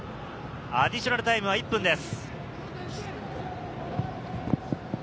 アディショナルタイムは１分です。